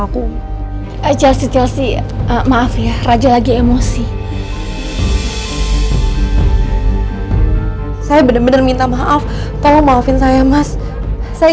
aku aja setelah si maaf ya raja lagi emosi saya bener bener minta maaf tolong maafin saya mas saya